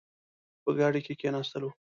په ګاډۍ کې کښېناستلو.